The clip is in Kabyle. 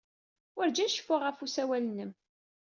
Werǧin ceffuɣ ɣef usawal-nnem.